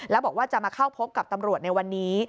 แล้วบอกว่าจะมาเข้าพบกับตำรวจในวันนี้